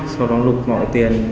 sau đó lục mọi tiền